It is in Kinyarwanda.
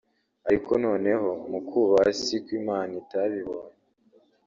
ariko noneho mu kuhaba si uko Imana itabibonye